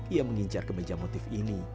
ia mengincar kemeja motif ini